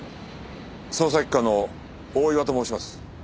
捜査一課の大岩と申します。